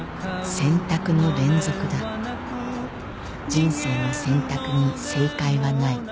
［人生の選択に正解はない］